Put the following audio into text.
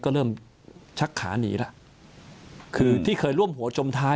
ก็เริ่มชักขาหนีแล้วคือที่เคยร่วมหัวจมท้าย